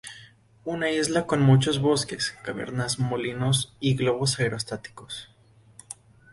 Una isla con muchos bosques, cavernas, molinos y globos aerostáticos.